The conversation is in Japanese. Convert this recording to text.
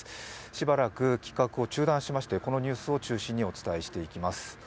しばらく企画を中断しましてこのニュースを中心にお伝えしていきます。